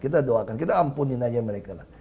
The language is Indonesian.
kita doakan kita ampunin aja mereka lah